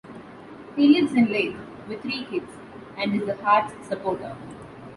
He lives in Leith, with three kids, and is a Hearts supporter.